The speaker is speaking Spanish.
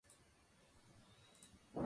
La flora y la fauna son muy diversas.